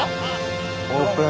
オープン。